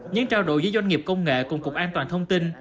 những trao đổi với doanh nghiệp công nghệ cùng cục an toàn thông tin